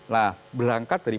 nah berangkat dari